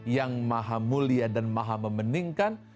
yang maha mulia dan maha membeningkan